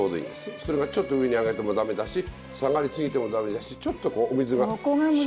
それがちょっと上に上げても駄目だし下がりすぎても駄目だしちょっとお水がシュー。